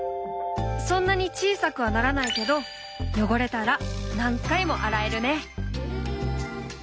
そんなに小さくはならないけど汚れたら何回も洗えるね。